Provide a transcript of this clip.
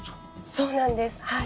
そうなんですはい。